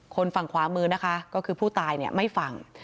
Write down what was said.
คนฝั่งขวามือนะคะก็คือผู้ตายไม่ฟัง